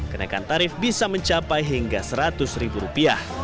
kenaikan tarif bisa mencapai hingga rp seratus